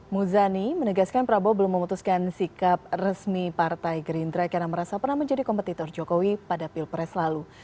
muzani menegaskan prabowo belum memutuskan sikap resmi partai gerindra karena merasa pernah menjadi kompetitor jokowi pada pilpres lalu